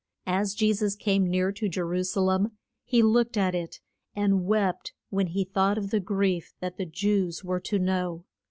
As Je sus came near to Je ru sa lem he looked at it, and wept when he thought of the grief that the Jews were to know.